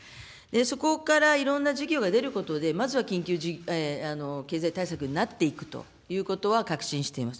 そこから、いろんな事業が出ることで、まずは緊急経済対策になっていくということは確信しています。